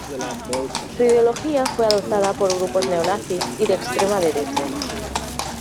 Su ideología fue adoptada por grupos neonazis y de extrema derecha.